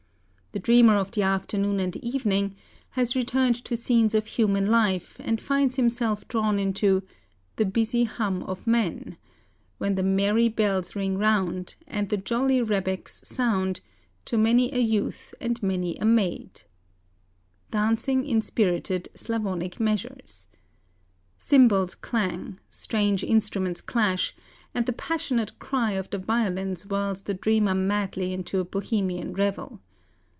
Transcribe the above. The dreamer of the afternoon and evening has returned to scenes of human life, and finds himself drawn into 'The busy hum of men When the merry bells ring round, And the jolly rebecks sound To many a youth and many a maid,' dancing in spirited Slavonic measures. Cymbals clang, strange instruments clash; and the passionate cry of the violins whirls the dreamer madly into a Bohemian revel.